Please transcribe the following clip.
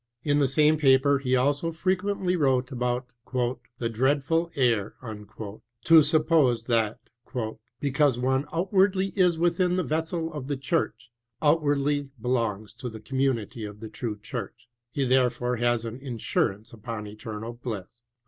In the same paper ne also frequently wrote about "the ar«Etdful error" to suppose that " because one outwardly is within tne vessel of the church, outwardly belongs to the com munity of the true church, he therefore has an insurance upon eternal bliss."